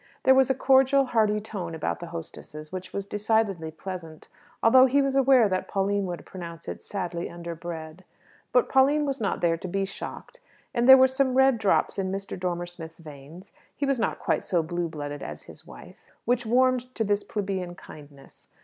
There was a cordial, hearty tone about the hostesses which was decidedly pleasant, although he was aware that Pauline would pronounce it sadly underbred. But Pauline was not there to be shocked, and there were some red drops in Mr. Dormer Smith's veins (he was not quite so blue blooded as his wife) which warmed to this plebeian kindness.